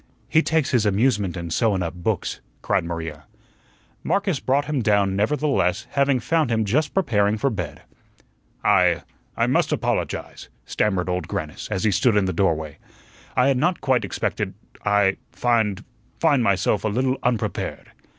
"He takes his amusement in sewin' up books," cried Maria. Marcus brought him down, nevertheless, having found him just preparing for bed. "I I must apologize," stammered Old Grannis, as he stood in the doorway. "I had not quite expected I find find myself a little unprepared."